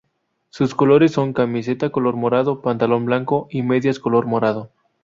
Sus colores son: camiseta color morado, pantalón blanco y medias color morado.